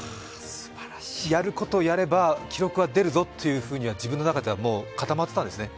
やることやれば、記録は出るぞというふうに自分の中では固まってたんですね？